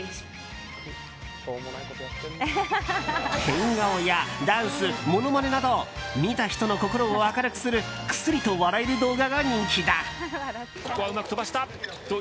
変顔やダンス、ものまねなど見た人の心を明るくするクスリと笑える動画が人気だ。